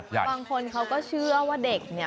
บางคนเขาก็เชื่อว่าเด็กเนี่ย